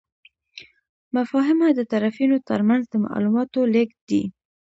مفاهمه د طرفینو ترمنځ د معلوماتو لیږد دی.